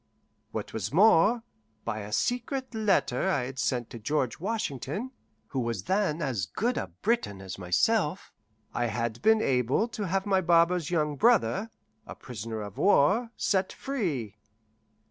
What was more, by a secret letter I had sent to George Washington, who was then as good a Briton as myself, I had been able to have my barber's young brother, a prisoner of war, set free.